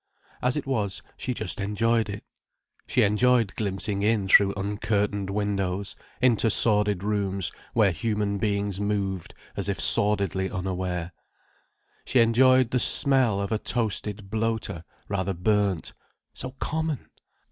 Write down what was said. As it was, she just enjoyed it. She enjoyed glimpsing in through uncurtained windows, into sordid rooms where human beings moved as if sordidly unaware. She enjoyed the smell of a toasted bloater, rather burnt. So common!